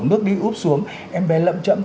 nước đi úp xuống em bé lậm chậm